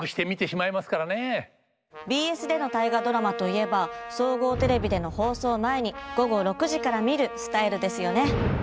ＢＳでの「大河ドラマ」といえば総合テレビでの放送前に午後６時から見るスタイルですよね。